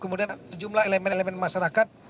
kemudian sejumlah elemen elemen masyarakat